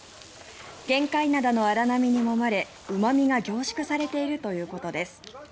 玄界灘の荒波にもまれうま味が凝縮されているということです。